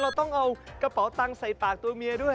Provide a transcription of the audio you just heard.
เราต้องเอากระเป๋าตังค์ใส่ปากตัวเมียด้วย